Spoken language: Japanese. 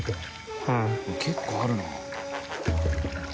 結構あるな。